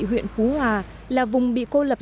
huyện phú hòa là vùng bị cô lập